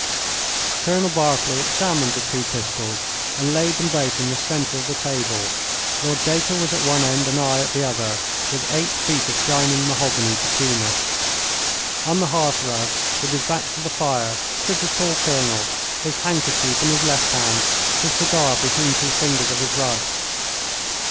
Colonel Berkeley examined the two pistols and laid them both in the centre of the table. Lord Dacre was at one end and I at the other, with eight feet of shining mahogany between us. On the hearth rug with his back to the fire, stood the tall colonel, his handkerchief in his left hand, his cigar between two fingers of his right.